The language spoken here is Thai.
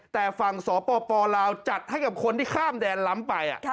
แต่ฝั่งสปลาวจัดให้กับคนที่ข้ามแดนล้ำไป